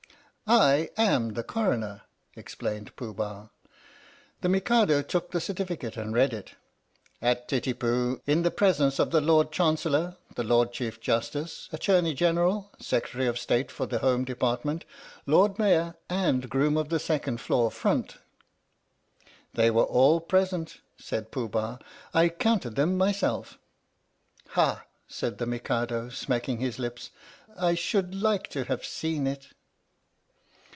"/am the Coroner," explained Pooh Bah. 97 H THE STORY OF THE MIKADO The Mikado took the certificate and read it. " At Titipu, in the presence of the Lord Chan cellor, the Lord Chief Justice, Attorney General, Secretary of State for the Home Department, Lord Mayor and Groom of the Second Floor Front." "They were all pres ent," said Pooh Bah. "I counted them myself." "Ha," said the Mikado, smacking his lips, " I should like to have seen it."